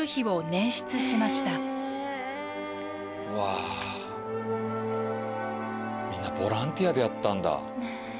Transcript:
うわみんなボランティアでやったんだ。